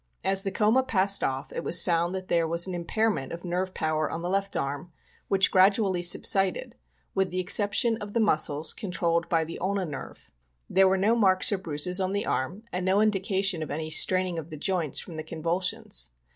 As the coma passed off, it was found that there was an impairment of nerve power in the left arm, which gradually subsided, with the exception of the muscles controlled by the ulna nerve. There were no marks or bruises on the arm and no indication of any straining of the joints from the convulsions.